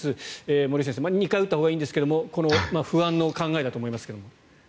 森内先生、２回打ったほうがいいんですけれどもこの不安の考えだと思いますが。